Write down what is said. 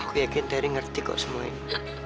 aku yakin dari ngerti kok semua ini